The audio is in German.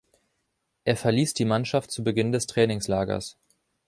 Er verließ die Mannschaft zu Beginn des Trainingslagers.